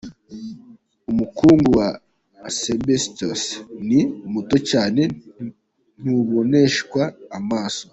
Umukungugu wa Asibesitosi ni muto cyane ntuboneshwa amaso.